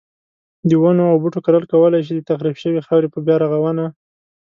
د ونو او بوټو کرل کولای شي د تخریب شوی خاورې په بیا رغونه.